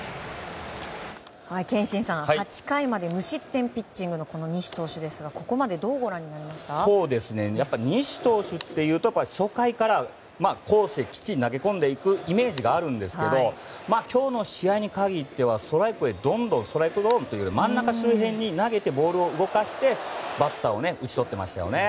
憲伸さん８回まで無失点ピッチングのこの西投手ですが西投手というと初回からコースへきっちり投げ込んでいくイメージですが今日の試合に限ってはどんどんストライクゾーンという真ん中周辺に投げてボールを動かして、バッターを打ち取っていましたね。